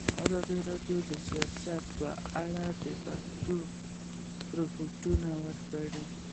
ازادي راډیو د سیاست په اړه د پېښو رپوټونه ورکړي.